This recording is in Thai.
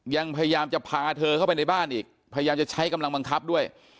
ยังพยายามจะพาเธอเข้าไปในบ้านอีกพยายามจะใช้กำลังบังคับด้วย